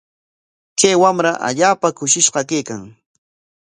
Kay wamra allaapa kushishqa kaykan.